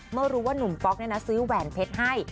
เมื่อรู้ว่านุ่มป๊อกซื้อแหวนเพชรให้